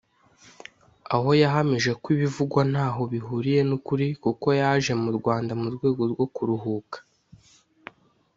aho yahamije ko ibivugwa ntaho bihuriye ni ukuri kuko yaje mu Rwanda mu rwego rwo kuruhuka